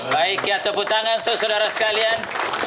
baik ya tepuk tangan saudara sekalian